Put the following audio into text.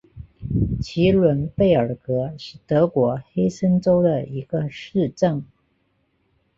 齐伦贝尔格是德国黑森州的一个市镇。